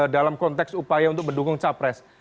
dalam konteks upaya untuk mendukung capres